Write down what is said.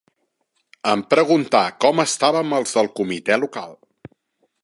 Em preguntà com estàvem els del Comitè Local